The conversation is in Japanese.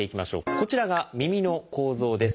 こちらが耳の構造です。